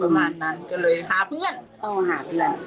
ประมาณนั้นก็เลยพาเพื่อนต้องหาเพื่อน